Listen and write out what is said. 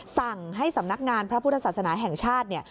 สั่งให้สำนักงานพระพุทธศาสนาแห่งชาติเนี่ย